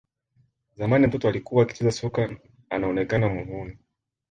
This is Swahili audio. Zamani mtoto alikuwa akicheza soka anaonekana mhuni